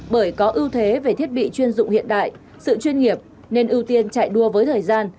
bởi có ưu thế về thiết bị chuyên dụng hiện đại sự chuyên nghiệp nên ưu tiên chạy đua với thời gian